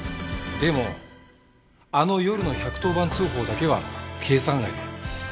でもあの夜の１１０番通報だけは計算外で。